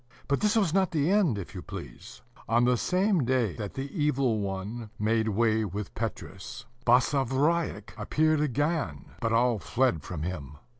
But this was not the end, if you please. On the same day that the Evil One made way with Petrus, Basavriuk appeared again; but all fled from him.